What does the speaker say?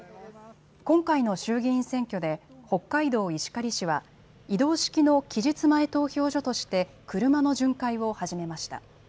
今回の衆議院選挙で北海道石狩市は移動式の期日前投票所として車の巡回を始めました。